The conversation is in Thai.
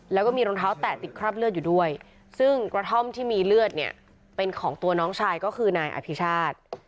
แล้วก็มีรองเท้าแตะติดคราบเลือดอยู่ด้วยซึ่งกระท่อมที่มีเลือดเนี่ยเป็นของตัวน้องชายก็คือนายอภิชาติ